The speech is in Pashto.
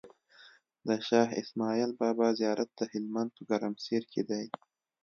د شاهاسماعيل بابا زيارت دهلمند په ګرمسير کی دی